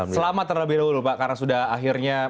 selamat terlebih dahulu pak